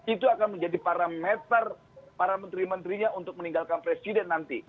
itu akan menjadi parameter para menteri menterinya untuk meninggalkan presiden nanti